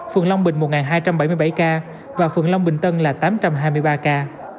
phường long bình một hai trăm bảy mươi bảy ca và phường long bình tân là tám trăm hai mươi ba ca